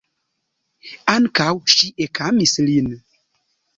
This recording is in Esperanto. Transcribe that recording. Ankaŭ ŝi ekamis lin.